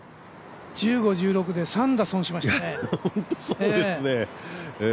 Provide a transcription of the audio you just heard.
１５、１６で３打、損しましたね。